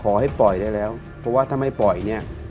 ขอให้ปล่อยได้แล้วเพราะว่าถ้าไม่ปล่อยเนี่ย